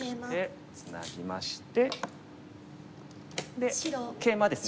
でケイマですね。